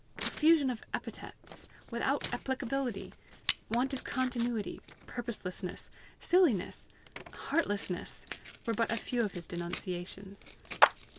Profusion of epithets without applicability, want of continuity, purposelessness, silliness, heartlessness were but a few of his denunciations.